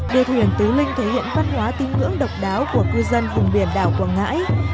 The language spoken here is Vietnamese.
đua thuyền tứ linh thể hiện văn hóa tín ngưỡng độc đáo của cư dân vùng biển đảo quảng ngãi